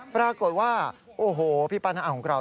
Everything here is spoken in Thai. ปรากฏว่าโอ้โหพี่ป้าน้าอาของเรา